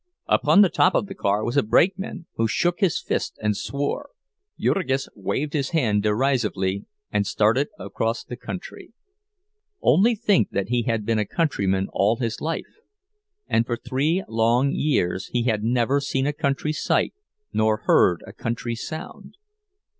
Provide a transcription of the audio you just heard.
Upon the top of the car was a brakeman, who shook his fist and swore; Jurgis waved his hand derisively, and started across the country. Only think that he had been a countryman all his life; and for three long years he had never seen a country sight nor heard a country sound!